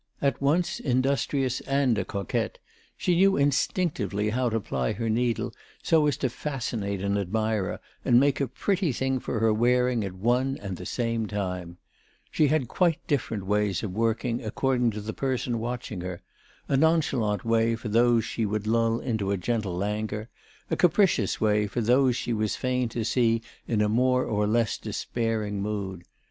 At once industrious and a coquette, she knew instinctively how to ply her needle so as to fascinate an admirer and make a pretty thing for her wearing at one and the same time; she had quite different ways of working according to the person watching her, a nonchalant way for those she would lull into a gentle languor, a capricious way for those she was fain to see in a more or less despairing mood.